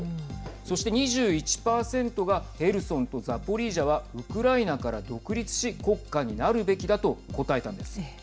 そして２１％がヘルソンとザポリージャはウクライナから独立し国家になるべきだと答えたんです。